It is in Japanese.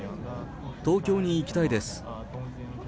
東京に行きたいです。